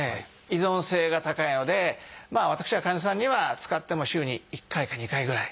依存性が高いので私は患者さんには使っても週に１回か２回ぐらい。